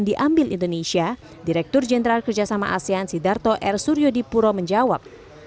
diambil indonesia direktur jenderal kerjasama asean sidarto r suryo dipuro menjawab